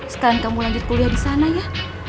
sekarang kamu lanjut kuliah di sana ya